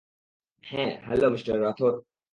হ্যাঁঁ hello mister Rathore?